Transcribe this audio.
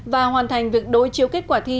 và hoàn thành việc đối chiếu kết quả thi